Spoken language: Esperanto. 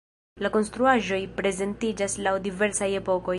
La konstruaĵoj prezentiĝas laŭ diversaj epokoj.